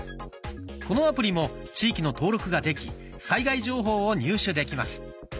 このアプリも地域の登録ができ災害情報を入手できます。